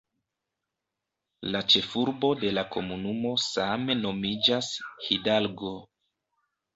La ĉefurbo de la komunumo same nomiĝas "Hidalgo".